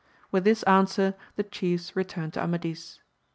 With this answer the chiefs returned to Amadis.